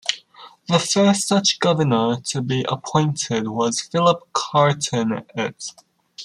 The first such governor to be appointed was Philip Carteret.